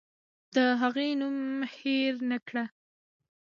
د هغې نوم هېر نکړه.